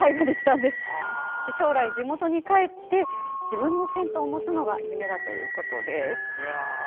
将来は地元に帰って自分の銭湯を持つのが夢だということです。